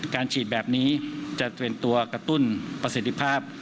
การฉีดแบบนี้จะเตรียมตัวกระตุ้นประสิทธิภาพ